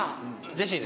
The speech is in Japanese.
ジェシー。